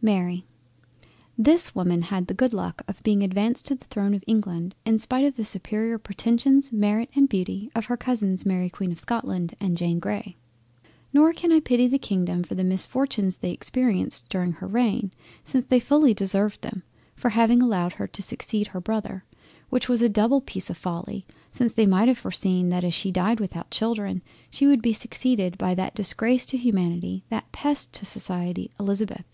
MARY This woman had the good luck of being advanced to the throne of England, in spite of the superior pretensions, Merit, and Beauty of her Cousins Mary Queen of Scotland and Jane Grey. Nor can I pity the Kingdom for the misfortunes they experienced during her Reign, since they fully deserved them, for having allowed her to succeed her Brother—which was a double peice of folly, since they might have foreseen that as she died without children, she would be succeeded by that disgrace to humanity, that pest of society, Elizabeth.